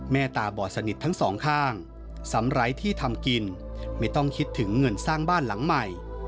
ตาบอดสนิททั้งสองข้างซ้ำไร้ที่ทำกินไม่ต้องคิดถึงเงินสร้างบ้านหลังใหม่